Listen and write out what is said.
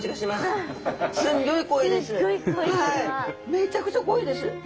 めちゃくちゃ濃いです。